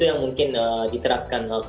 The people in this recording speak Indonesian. saya juga menarik dari thailand